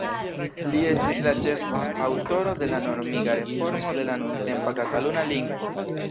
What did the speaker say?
Li estis la ĉefa aŭtoro de la normiga reformo de la nuntempa Kataluna lingvo.